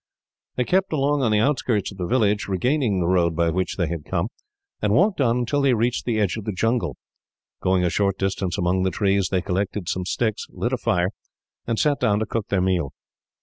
They kept along on the outskirts of the village, regained the road by which they had come, and walked on until they reached the edge of the jungle. Going a short distance among the trees, they collected some sticks, lit a fire, and sat down to cook their meal.